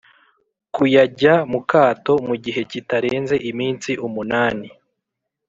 Kuyajya mukato mu gihe kitarenze iminsi umunani